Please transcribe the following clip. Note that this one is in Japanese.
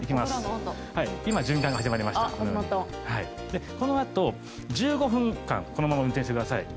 でこのあと１５分間このまま運転してください。